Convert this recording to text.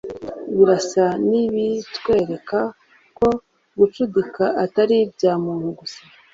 birasa n'ibitwereka ko gucudika atari ibya muntu gusa